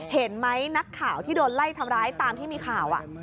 เห็นไหมนักข่าวที่โดนไล่ทำร้ายตามที่มีข่าว